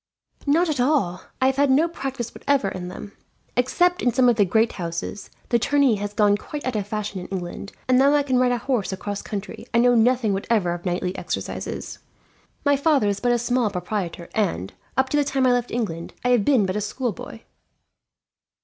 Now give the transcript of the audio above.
"Not at all. I have had no practise, whatever, in them. Except in some of the great houses, the tourney has gone quite out of fashion in England; and though I can ride a horse across country, I know nothing whatever of knightly exercises. My father is but a small proprietor and, up to the time I left England, I have been but a schoolboy."